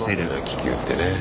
気球ってね。